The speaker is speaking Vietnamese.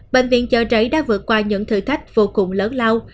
bệnh viện chợ rẫy đã vượt qua những thử thách vô cùng lớn lao